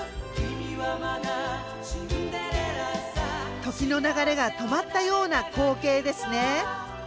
時の流れが止まったような光景ですね。